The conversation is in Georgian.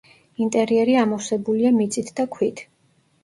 ინტერიერი ამოვსებულია მიწით და ქვით.